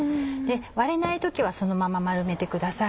割れない時はそのまま丸めてください。